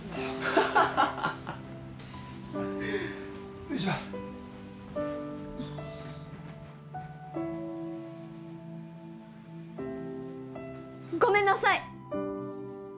ハハハハよいしょごめんなさい！